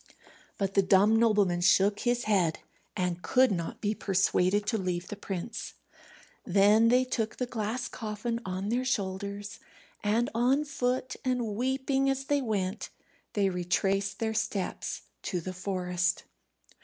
But the dumb nobleman shook his head, and could not be persuaded to leave the prince. Then they took the glass coffin on their shoulders, and on foot, and weeping as they went, they retraced their steps to the forest.